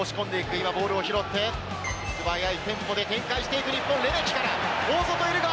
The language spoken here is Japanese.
今、ボールを拾って、素早いテンポで展開していく日本、レメキから大外いるが？